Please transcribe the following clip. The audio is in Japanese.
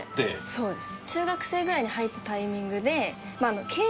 そうです。